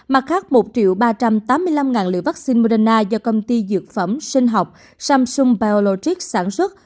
mặt khác một ba trăm tám mươi năm liều vắc xin moderna do công ty dược phẩm sinh học samsung biologics sản xuất